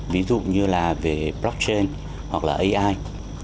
ví dụ như là về blockchain hoặc là ai